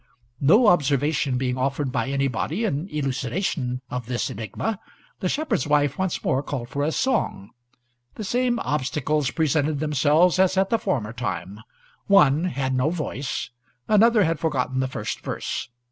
No observation being offered by anybody in elucidation of this enigma, the shepherd's wife once more called for a song. The same obstacles presented themselves as at the former time: one had no voice, another had forgotten the first verse.